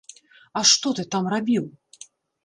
А што ты там рабіў?